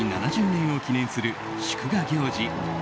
７０年を記念する祝賀行事